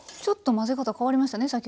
ちょっと混ぜ方変わりましたね